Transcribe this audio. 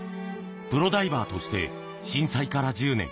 プロダイバーとして震災から１０年。